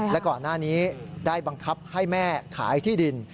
และก่อนหน้านี้ได้บังคับให้แม่ขายที่ดิน